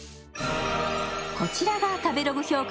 こちらが食べログ評価